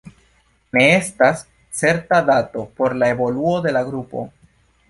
Ne estas certa dato por la evoluo de la grupo.